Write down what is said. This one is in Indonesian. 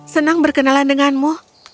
senang berkenalan denganmu